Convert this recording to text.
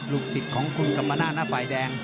ลูกศิษย์ของคุณกำมาหน้าหน้าฝ่ายแดง